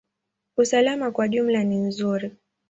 Usalama kwa ujumla ni nzuri.